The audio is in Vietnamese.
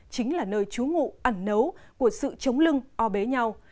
chính là nơi trú ngụ ẩn nấu của sự chống lưng o bế nhau